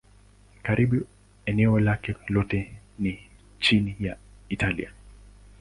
Karibu eneo lake lote ni nchi ya Italia.